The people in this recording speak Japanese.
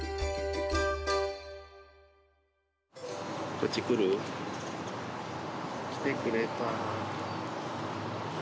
こっち来る？来てくれた。